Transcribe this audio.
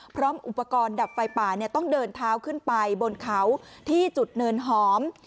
พร้อมอุปกรณ์ดับไฟป่าต้องเดินเท้าขึ้นไปบนเขาที่จุดเนินหอม